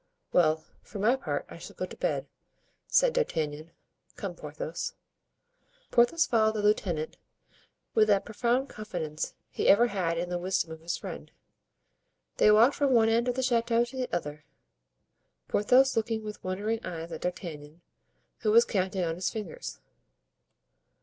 "Well, for my part, I shall go to bed," said D'Artagnan; "come, Porthos." Porthos followed the lieutenant with that profound confidence he ever had in the wisdom of his friend. They walked from one end of the chateau to the other, Porthos looking with wondering eyes at D'Artagnan, who was counting on his fingers.